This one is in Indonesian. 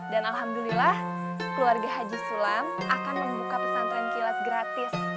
dan alhamdulillah keluarga haji sulam akan membuka pesantren kilat gratis